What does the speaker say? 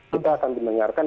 kita akan dimengarkan